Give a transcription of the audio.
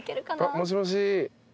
もしもし。